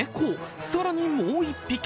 更にもう一匹。